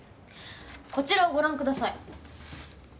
こちらをご覧ください。